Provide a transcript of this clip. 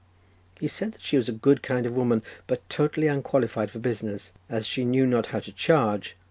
He said that she was a good kind of woman, but totally unqualified for business, as she knew not how to charge.